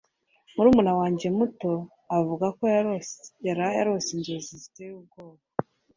Murumuna wanjye muto avuga ko yaraye arose inzozi ziteye ubwoba